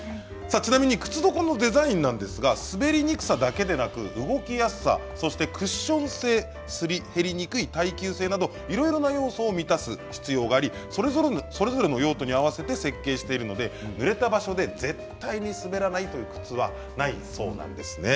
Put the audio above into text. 靴底のデザインですが滑りにくさだけでなく動きやすさやクッション性すり減りにくい耐久性などいろいろな要素を満たす必要がありそれぞれの用途に合わせて設計しているのでぬれた場所で絶対に滑らないという靴はないそうなんです。